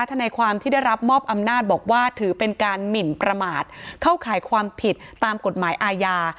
ทนายความที่ได้รับมอบอำนาจบอกว่าถือเป็นการหมินประมาทเข้าข่ายความผิดตามกฎหมายอาญา